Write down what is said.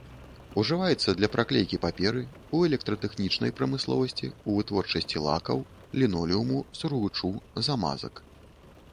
Ужываецца для праклейкі паперы, у электратэхнічнай прамысловасці, у вытворчасці лакаў, лінолеуму, сургучу, замазак.